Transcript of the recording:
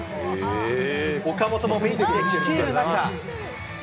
岡本もベンチで聴き入る中。